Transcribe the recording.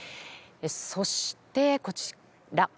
そして、こちら。